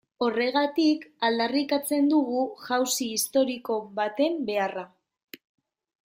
Horregatik aldarrikatzen dugu jauzi historiko baten beharra.